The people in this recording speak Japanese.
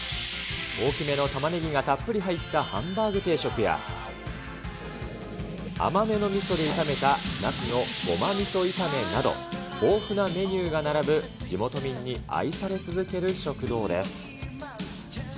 大きめのタマネギがたっぷり入ったハンバーグ定食や、甘めのみそで炒めたナスのごまみそ炒めなど、豊富なメニューが並ぶ、地元民に愛され続ける食堂です。